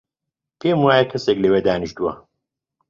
پێم وایە کەسێک لەوێ دانیشتووە.